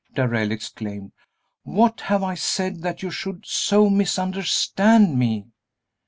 Darrell exclaimed. "What have I said that you should so misunderstand me?"